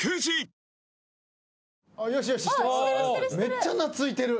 めっちゃ懐いてる。